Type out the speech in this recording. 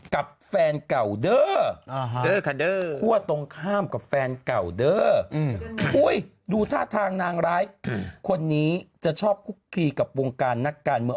กับแฟนเก่าเด้อคาเดอร์คั่วตรงข้ามกับแฟนเก่าเด้อดูท่าทางนางร้ายคนนี้จะชอบคุกคีกับวงการนักการเมือง